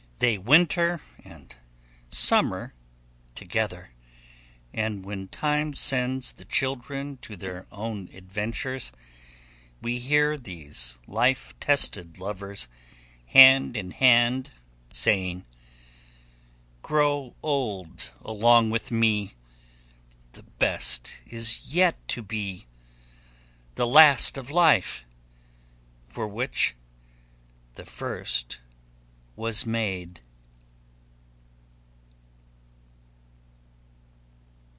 They winter and summer together, and when time sends the children to their own adventures, we hear these life tested lovers, hand in hand, saying: "Grow old along with me! The best is yet to be, The last of life, for which the first was made."